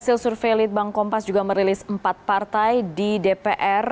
hasil survei litbang kompas juga merilis empat partai di dpr